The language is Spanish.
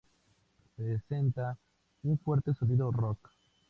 Presenta un fuerte sonido rock.